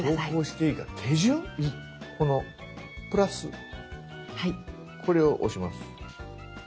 このプラスこれを押します。